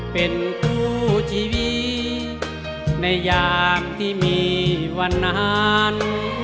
เป็นคู่ชีวิตในยามที่มีวันนั้น